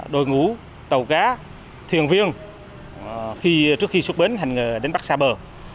đội ngũ tàu cá thuyền viên trước khi xuất bến hành nghề đánh bắt xa bờ